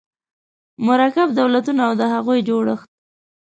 مرکب دولتونه او د هغوی جوړښت